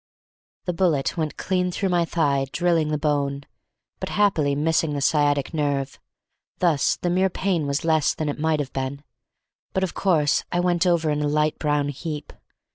The bullet went clean through my thigh, drilling the bone, but happily missing the sciatic nerve; thus the mere pain was less than it might have been, but of course I went over in a light brown heap.